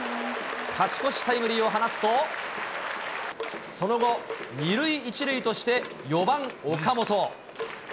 勝ち越しタイムリーを放つと、その後、２塁１塁として、４番岡本。